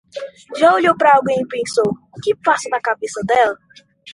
Já olhou para alguém e pensou, o que passa na cabeça dela?